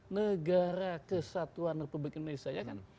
negara kesatuan republik indonesia